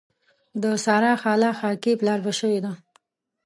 د سارا خاله خاکي بلاربه شوې ده.